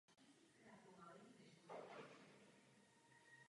Poté však chrámový komplex na více jak století a půl prakticky upadl v zapomnění.